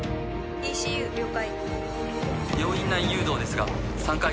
ＥＣＵ了解。